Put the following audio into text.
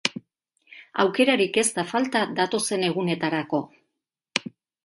Aukerarik ez da falta datozen egunetarako!